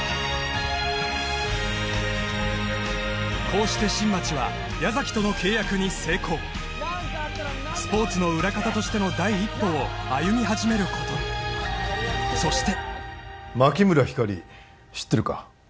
こうして新町は矢崎との契約に成功スポーツの裏方としての第一歩を歩み始めることにそして牧村ひかり知ってるか？